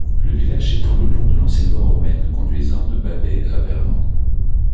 Le village s'étend le long de l'ancienne voie romaine conduisant de Bavay à Vermand.